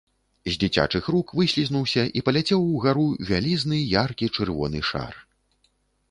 З дзіцячых рук выслізнуўся і паляцеў угару вялізны яркі чырвоны шар.